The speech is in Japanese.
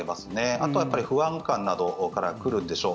あとは不安感などから来るんでしょう